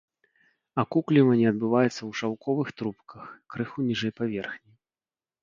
Акукліванне адбываецца ў шаўковых трубках, крыху ніжэй паверхні.